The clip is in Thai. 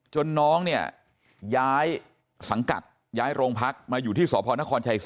น้องเนี่ยย้ายสังกัดย้ายโรงพักมาอยู่ที่สพนครชัย๔